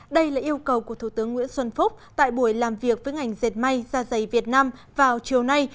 đây là yêu cầu của thủ tướng nguyễn xuân phúc tại buổi làm việc với ngành dệt may ra dày việt nam vào chiều nay